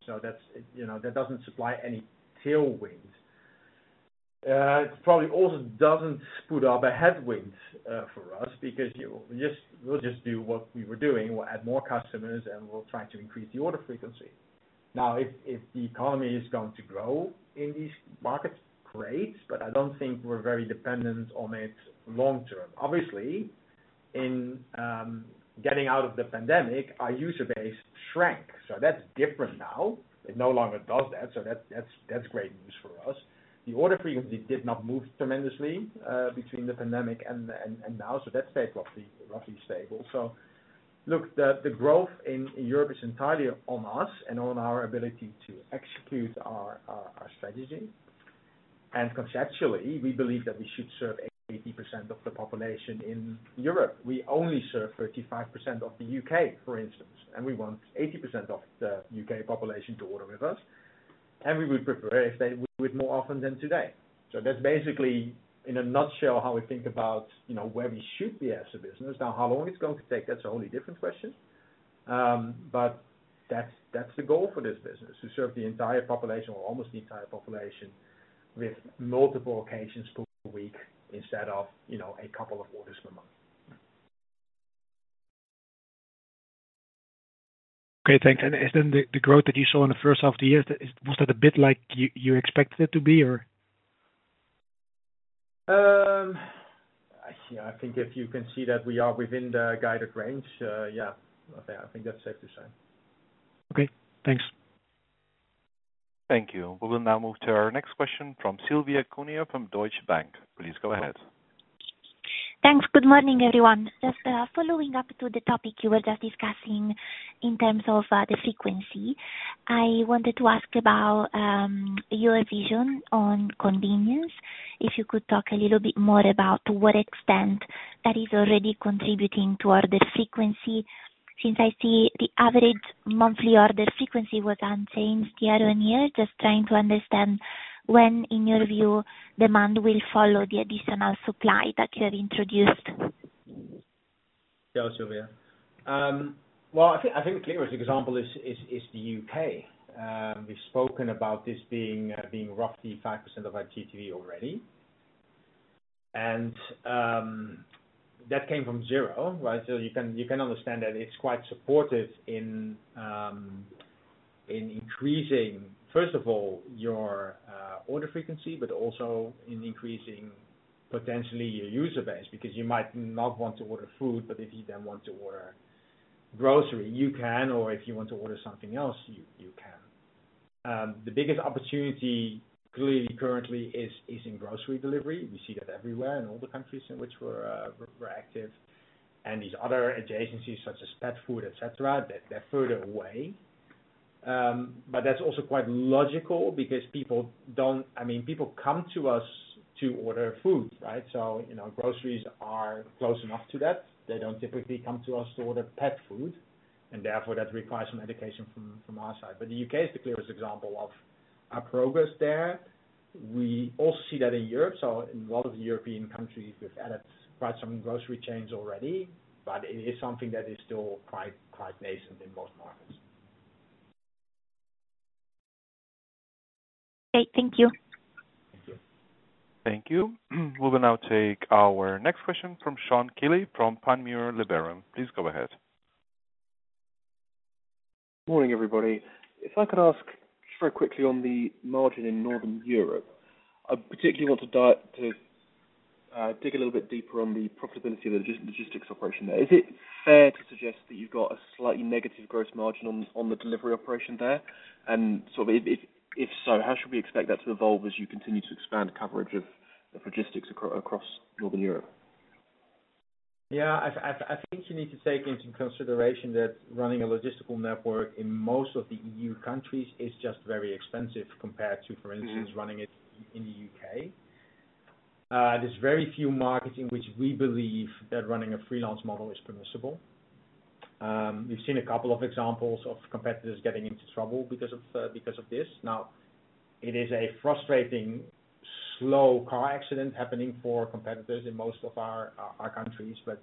So that's, you know, that doesn't supply any tailwind. It probably also doesn't put up a headwind for us, because we'll just do what we were doing. We'll add more customers, and we'll try to increase the order frequency. Now, if the economy is going to grow in these markets, great, but I don't think we're very dependent on it long term. Obviously, in getting out of the pandemic, our user base shrank, so that's different now. It no longer does that, so that's great news for us. The order frequency did not move tremendously between the pandemic and now, so that stayed roughly stable. So look, the growth in Europe is entirely on us and on our ability to execute our strategy. And conceptually, we believe that we should serve 80% of the population in Europe. We only serve 35% of the UK, for instance, and we want 80% of the UK population to order with us, and we would prefer if they would more often than today. So that's basically, in a nutshell, how we think about, you know, where we should be as a business. Now, how long it's going to take, that's a only different question. But that's, that's the goal for this business, to serve the entire population, or almost the entire population, with multiple occasions per week, instead of, you know, a couple of orders per month. Okay, thanks. Is then the growth that you saw in the first half of the year—was that a bit like you expected it to be or? Yeah, I think if you can see that we are within the guided range, yeah, I think that's safe to say. Okay, thanks. Thank you. We will now move to our next question from Silvia Cuneo of Deutsche Bank. Please go ahead. Thanks. Good morning, everyone. Just following up to the topic you were just discussing in terms of the frequency, I wanted to ask about your vision on convenience. If you could talk a little bit more about to what extent that is already contributing toward the frequency, since I see the average monthly order frequency was unchanged year-on-year. Just trying to understand when, in your view, demand will follow the additional supply that you have introduced? Yeah, Silvia. Well, I think the clearest example is the UK. We've spoken about this being roughly 5% of our GTV already. And that came from zero, right? So you can understand that it's quite supportive in increasing, first of all, your order frequency, but also in increasing potentially your user base, because you might not want to order food, but if you then want to order grocery, you can, or if you want to order something else, you can. The biggest opportunity clearly currently is in grocery delivery. We see that everywhere, in all the countries in which we're active. And these other adjacencies, such as pet food, et cetera, they're further away. But that's also quite logical, because people don't... I mean, people come to us to order food, right? So, you know, groceries are close enough to that. They don't typically come to us to order pet food, and therefore, that requires some education from our side. But the UK is the clearest example of our progress there. We also see that in Europe. So in a lot of the European countries, we've added quite some grocery chains already, but it is something that is still quite nascent in most markets. Okay, thank you. Thank you. We'll now take our next question from Sean Kealy from Panmure Liberum. Please go ahead. Morning, everybody. If I could ask very quickly on the margin in Northern Europe, I particularly want to dig a little bit deeper on the profitability of the logistics operation there. Is it fair to suggest that you've got a slightly negative gross margin on the delivery operation there? And so if so, how should we expect that to evolve as you continue to expand coverage of logistics across Northern Europe? Yeah, I think you need to take into consideration that running a logistical network in most of the EU countries is just very expensive compared to, for instance- Mm-hmmrunning it in the UK. There's very few markets in which we believe that running a freelance model is permissible. We've seen a couple of examples of competitors getting into trouble because of, because of this. Now, it is a frustrating, slow car accident happening for competitors in most of our, our countries, but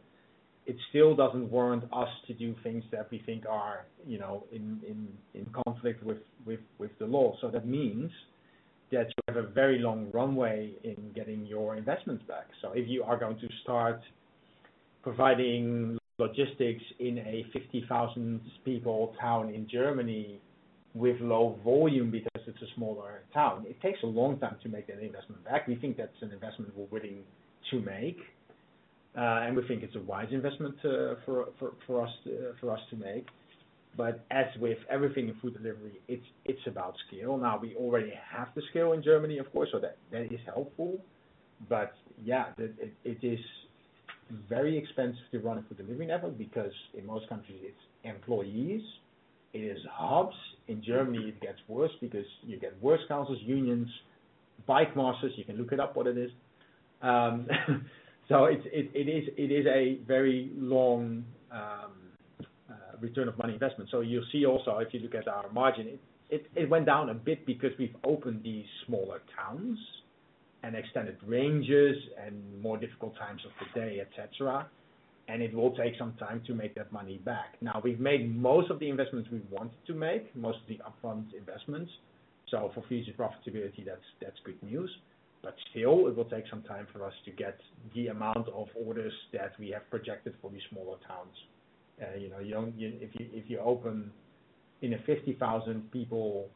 it still doesn't warrant us to do things that we think are, you know, in, in, in conflict with, with, with the law. So that means that you have a very long runway in getting your investments back. So if you are going to start providing logistics in a 50,000 people town in Germany with low volume because it's a smaller town, it takes a long time to make that investment back. We think that's an investment we're willing to make, and we think it's a wise investment, for us, for us to make. But as with everything in food delivery, it's about scale. Now, we already have the scale in Germany, of course, so that is helpful. But yeah, it is very expensive to run a food delivery network because in most countries it's employees, it is hubs. In Germany, it gets worse because you get works councils, unions, bike masters, you can look it up what it is. So it's, it is a very long return of money investment. So you'll see also, if you look at our margin, it went down a bit because we've opened these smaller towns and extended ranges and more difficult times of the day, et cetera, and it will take some time to make that money back. Now, we've made most of the investments we've wanted to make, most of the upfront investments, so for future profitability, that's good news. But still, it will take some time for us to get the amount of orders that we have projected for these smaller towns. You know, you don't... if you open in a 50,000-people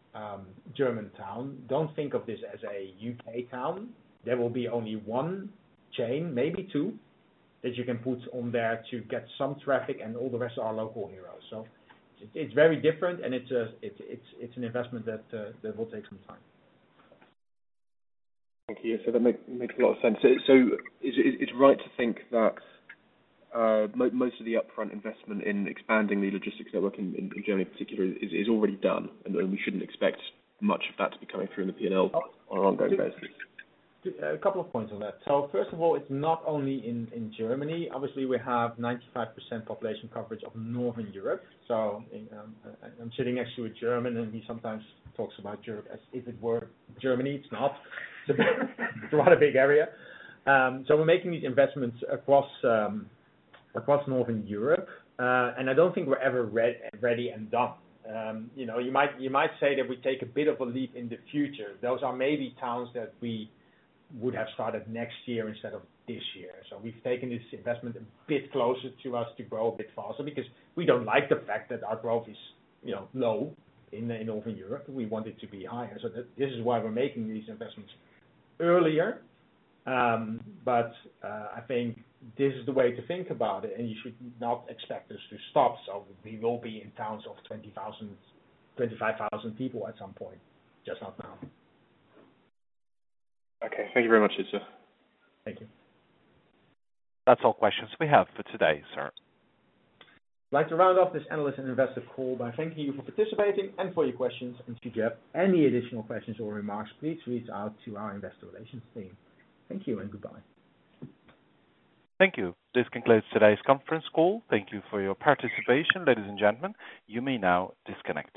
German town, don't think of this as a UK town. There will be only one chain, maybe two, that you can put on there to get some traffic, and all the rest are local heroes. So it's very different, and it's an investment that will take some time. Thank you. So that makes a lot of sense. So, is it right to think that most of the upfront investment in expanding the logistics network in Germany particularly is already done, and we shouldn't expect much of that to be coming through in the P&L on an ongoing basis? A couple of points on that. So first of all, it's not only in Germany. Obviously, we have 95% population coverage of Northern Europe. So I'm sitting next to a German, and he sometimes talks about Europe as if it were Germany. It's not. It's rather a big area. So we're making these investments across Northern Europe, and I don't think we're ever ready and done. You know, you might say that we take a bit of a leap in the future. Those are maybe towns that we would have started next year instead of this year. So we've taken this investment a bit closer to us to grow a bit faster because we don't like the fact that our growth is, you know, low in Northern Europe. We want it to be higher. So this, this is why we're making these investments earlier. But, I think this is the way to think about it, and you should not expect us to stop. So we will be in towns of 20,000, 25,000 people at some point, just not now. Okay. Thank you very much, Iza. Thank you. That's all questions we have for today, sir. I'd like to round off this analyst and investor call by thanking you for participating and for your questions. If you have any additional questions or remarks, please reach out to our investor relations team. Thank you and goodbye. Thank you. This concludes today's conference call. Thank you for your participation, ladies and gentlemen. You may now disconnect.